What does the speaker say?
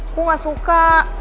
aku gak suka